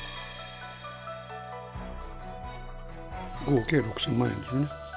合計６０００万円ですね。